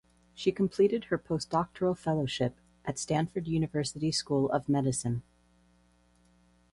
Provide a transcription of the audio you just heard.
She completed her postdoctoral fellowship at Stanford University School of Medicine.